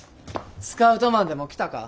スカウトマンでも来たか？